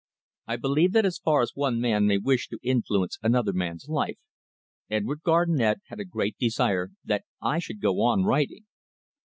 I believe that as far as one man may wish to influence another man's life Edward Garnett had a great desire that I should go on writing.